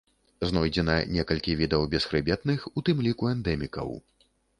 Знойдзена некалькі відаў бесхрыбетных, у тым ліку эндэмікаў.